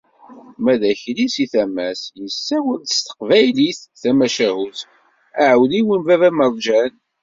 Ma d Akli seg tama-s, yessawel-d s Teqbaylit tamacahut “Aɛudiw n baba Merǧan."